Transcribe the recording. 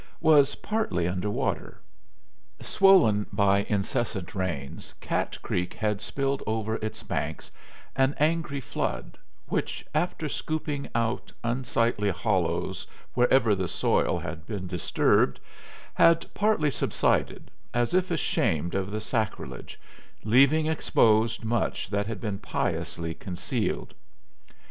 was partly under water. Swollen by incessant rains, Cat Creek had spilled over its banks an angry flood which, after scooping out unsightly hollows wherever the soil had been disturbed, had partly subsided, as if ashamed of the sacrilege, leaving exposed much that had been piously concealed.